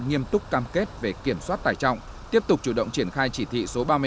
nghiêm túc cam kết về kiểm soát tài trọng tiếp tục chủ động triển khai chỉ thị số ba mươi hai